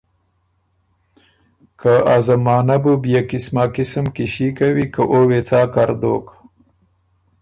که ا زمانۀ بُو بيې قسما قسم قیصي کَوی که او وې څا کر دوک۔